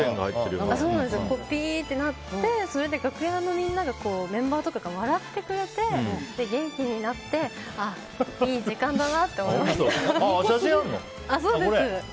ピーってなってそれで楽屋のみんなメンバーとかが笑ってくれて元気になっていい時間だなと思いました。